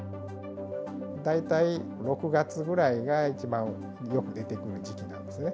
大体６月ぐらいが一番よく出てくる時期なんですよね。